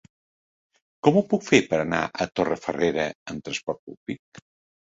Com ho puc fer per anar a Torrefarrera amb trasport públic?